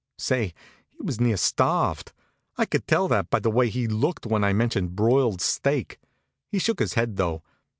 Say, he was near starved. I could tell that by the way he looked when I mentioned broiled steak. He shook his head, though.